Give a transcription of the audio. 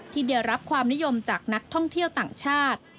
ที่ได้รับความนิยมจากนักท่องเที่ยวต่างชาติ